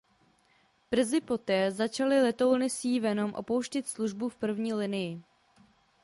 Brzy poté začaly letouny Sea Venom opouštět službu v první linii.